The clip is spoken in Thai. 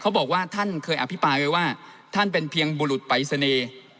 บอกว่าท่านเคยอภิปรายไว้ว่าท่านเป็นเพียงบุรุษปรายศนีย์